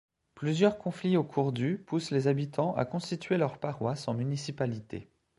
Plusieurs conflits au cours du poussent les habitants à constituer leur paroisse en municipalité.